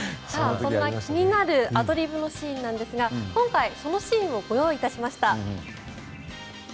そんな気になるアドリブのシーンなんですが今回、そのシーンをご用意いたしました。